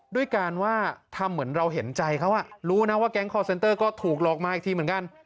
ด้วยการว่าทำเหมือนเราเห็นใจเขารู้นะว่าแก๊งคอร์เซนเตอร์ก็ถูกหลอกมาอีกทีเหมือนกัน